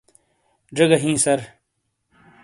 ژے گا ہِیں سر۔